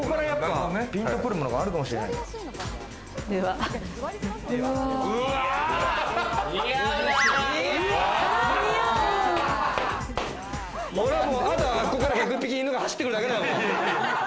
あとは、あそこから１０１匹犬が走ってくるだけだわ。